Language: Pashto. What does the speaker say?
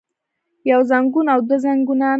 يو زنګون او دوه زنګونان